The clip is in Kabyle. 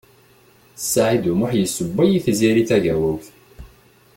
Saɛid U Muḥ yessewway i Tiziri Tagawawt.